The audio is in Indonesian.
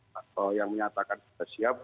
pak toto yang menyatakan sudah siap